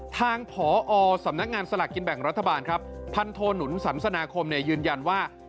ทางพอสำนักงานสลักกินแบ่งรัฐบาลพันธนุษย์สำนาคมยืนยันว่า